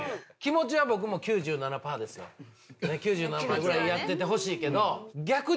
９７％ぐらいやっててほしいけど。